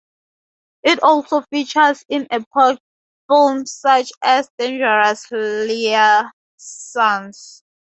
It also features in epoch films, such as "Dangerous Liaisons".